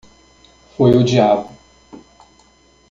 Foi o diabo!